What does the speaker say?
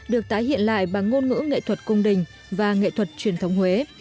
được tái hiện lại bằng ngôn ngữ nghệ thuật cung đình và nghệ thuật truyền thống huế